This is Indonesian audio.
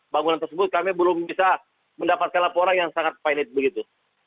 bangunan tersebut kami belum bisa mendapatkan laporan yang sangat pilot begitu